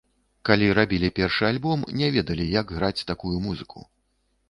Калі рабілі першы альбом, не ведалі як граць такую музыку.